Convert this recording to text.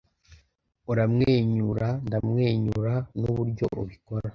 Uramwenyura, ndamwenyura. Nuburyo ubikora.